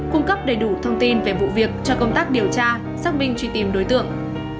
cung cấp đầy đủ thông tin về vụ việc cho công tác điều tra xác minh truy tìm đối tượng